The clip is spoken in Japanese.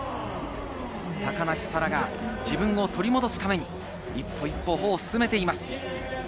高梨沙羅が自分を取り戻すために一歩一歩、歩を進めています。